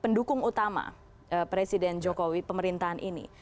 pendukung utama presiden jokowi pemerintahan ini